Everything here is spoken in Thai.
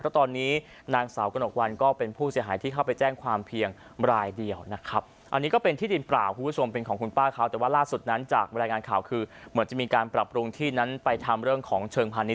เพราะตอนนี้นางสาวกนกวันก็เป็นผู้เสียหายที่เข้าไปแจ้งความเพียง